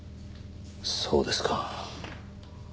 そうですか。